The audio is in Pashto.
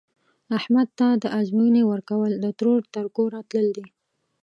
احمد ته د ازموینې ورکول، د ترور تر کوره تلل دي.